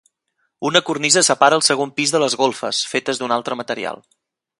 Una cornisa separa el segon pis de les golfes, fetes d'un altre material.